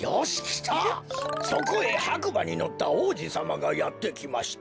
「そこへはくばにのったおうじさまがやってきました。